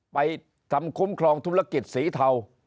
ไปทำคุ้มครองธุรกิจสีเทา